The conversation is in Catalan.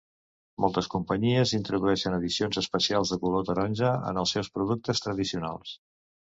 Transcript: Moltes companyies introdueixen edicions especials de color taronja en els seus productes tradicionals.